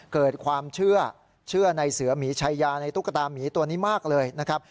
เกิดความเชื่อเชื่อในเสือหมีชายาในตุ๊กตามีตัวนี้มากเลยนะครับ